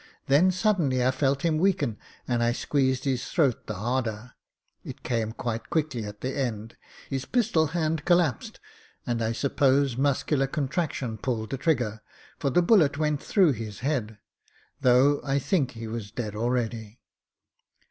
Then suddenly I felt him weaken, and I squeezed his throat the harder. It came quite quickly at the end. His pistol hand coK lapsed, and I suppose muscular contraction pulled the trigger, for the bullet went through his head, though I think he was dead already."